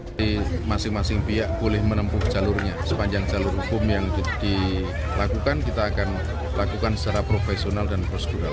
jadi masing masing pihak boleh menempuh jalurnya sepanjang jalur hukum yang dilakukan kita akan lakukan secara profesional dan prospisional